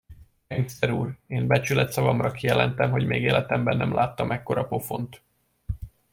Gengszter úr, én becsületszavamra kijelentem, hogy még életemben nem láttam ekkora pofont.